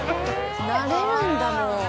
慣れるんだ、もう。